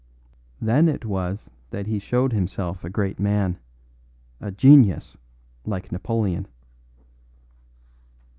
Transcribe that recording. Then it was that he showed himself a great man a genius like Napoleon.